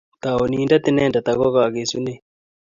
Taunindet inendet ago kagesunet